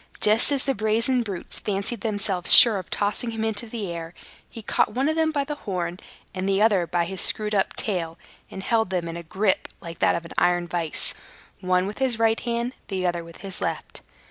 Just as the brazen brutes fancied themselves sure of tossing him into the air, he caught one of them by the horn, and the other by his screwed up tail, and held them in a gripe like that of an iron vice, one with his right hand, the other with his left.